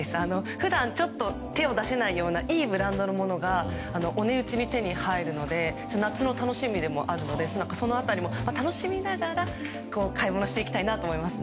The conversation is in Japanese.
普段手を出せないようないいブランドのものがお値打ちで手に入るので夏の楽しみでもあるのでその辺りも楽しみながら買い物していきたいと思います。